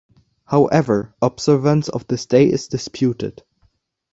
However, observance of this day is disputed.